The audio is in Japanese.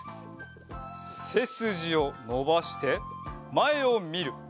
せすじをのばしてまえをみる。